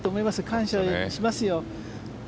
感謝しますよ。